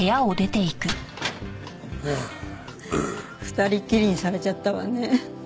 二人っきりにされちゃったわね。